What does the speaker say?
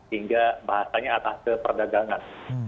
hingga bahasanya atas keperdagangan